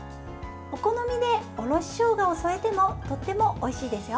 お好みでおろししょうがを添えてもとってもおいしいですよ。